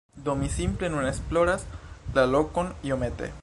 Do, mi simple nun esploras la lokon iomete